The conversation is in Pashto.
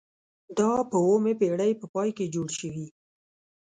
دا په اوومې پیړۍ په پای کې جوړ شوي.